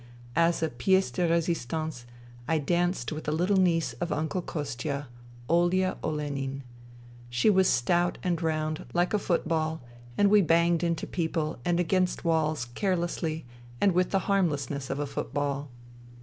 As a pihe de rSsistance^ I danced with a little niece of Uncle Kostia, Olya Olenin. She was stout and round, like a football, and we banged into people and against walls carelessly and with the harmlessness of a football.